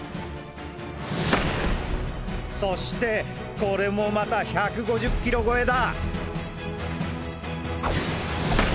そしてこれもまた１５０ｋｍ超えだ！